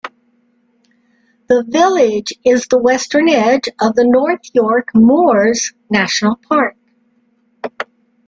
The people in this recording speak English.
The village is the western edge of the North York Moors National Park.